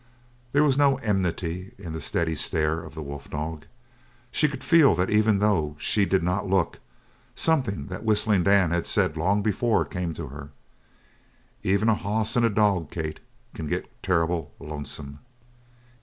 There was no enmity in the steady stare of the wolf dog. She could feel that even though she did not look. Something that Whistling Dan had said long before came to her: "Even a hoss and a dog, Kate, can get terrible lonesome."